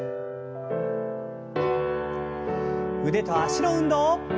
腕と脚の運動。